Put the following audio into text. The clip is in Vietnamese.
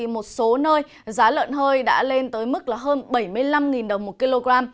một số nơi giá lợn hơi đã lên tới mức hơn bảy mươi năm đồng một kg